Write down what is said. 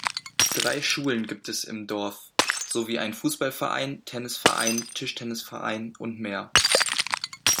Drei Schulen gibt es im Dorf sowie einen Fußballverein, Tennisverein, Tischtennisverein und mehr.